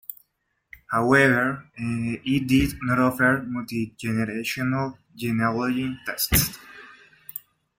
However, it did not offer multi-generational genealogy tests.